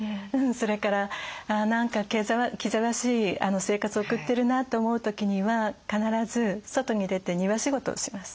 それから何か気ぜわしい生活を送ってるなと思う時には必ず外に出て庭仕事をします。